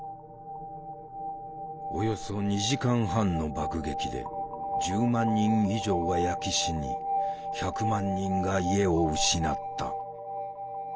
およそ２時間半の爆撃で１０万人以上が焼け死に１００万人が家を失った。